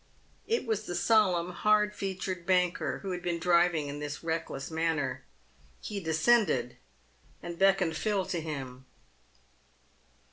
It was the solemn, hard featured banker who had been driving in this reck less manner. He descended, and beckoned Phil to him.